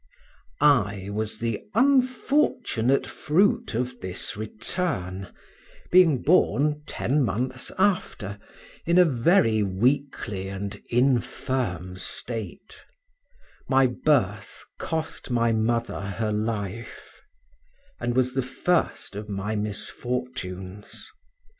I was the unfortunate fruit of this return, being born ten months after, in a very weakly and infirm state; my birth cost my mother her life, and was the first of my misfortunes.